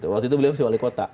waktu itu beliau masih wali kota